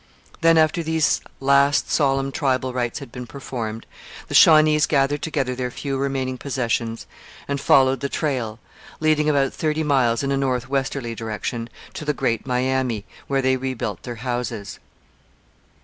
Then, after these last solemn tribal rites had been performed, the Shawnees gathered together their few remaining possessions and followed the trail, leading about thirty miles in a north westerly direction, to the Great Miami, where they rebuilt their houses.